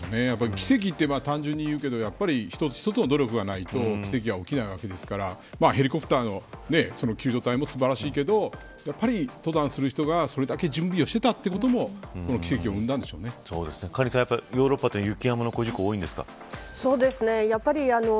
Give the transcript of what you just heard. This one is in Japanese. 奇跡って単純にいうけど一つ一つの努力がないと奇跡は起きないわけですからヘリコプターの救助隊も素晴らしいけどやっぱり登山する人が、それだけ準備をしていたということもカリンさん、ヨーロッパってそうですね。